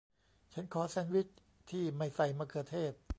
ฉันขอแซนด์วิชที่ไม่ใส่มะเขือเทศ